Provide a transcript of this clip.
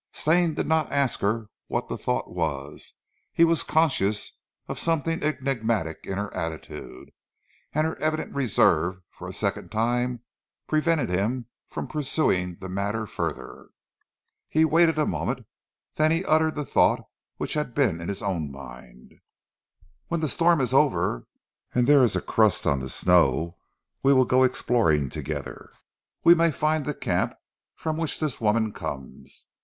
Stane did not ask her what the thought was. He was conscious of something enigmatic in her attitude, and her evident reserve for a second time prevented him from pursuing the matter further. He waited a moment, then he uttered the thought which had been in his own mind. "When the storm is over and there is a crust on the snow we will go exploring together. We may find the camp from which this woman comes.